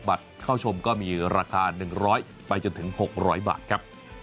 บัตรเข้าชมก็มีราคาหนึ่งร้อยไปจนถึงหกร้อยบาทครับ